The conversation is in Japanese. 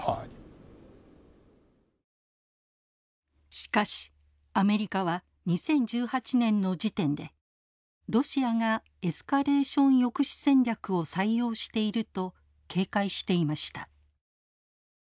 しかしアメリカは２０１８年の時点でロシアがエスカレーション抑止戦略を採用していると警戒していました。